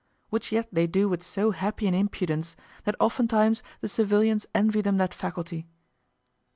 Which yet they do with so happy an impudence that oftentimes the civilians envy them that faculty.